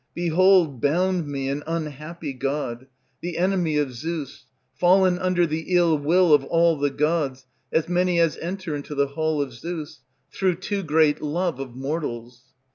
Behold bound me an unhappy god, The enemy of Zeus, fallen under The ill will of all the gods, as many as Enter into the hall of Zeus, Through too great love of mortals.